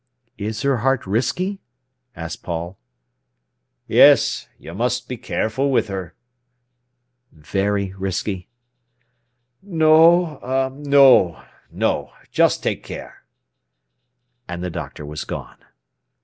"Is her heart risky?" asked Paul. "Yes; you must be careful with her." "Very risky?" "No—er—no, no! Just take care." And the doctor was gone.